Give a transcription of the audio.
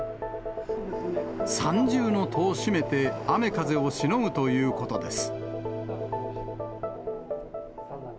三重の戸を閉めて、雨風をしのぐということです。